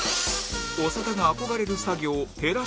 長田が憧れる作業へら